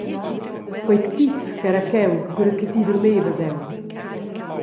Quei tip ch’era cheu cura che ti durmevas aunc.